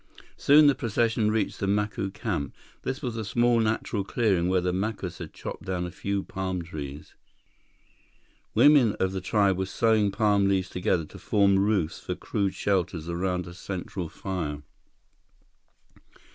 Soon, the procession reached the Macu camp. This was a small natural clearing where the Macus had chopped down a few palm trees. Women of the tribe were sewing palm leaves together to form roofs for crude shelters around a central fire.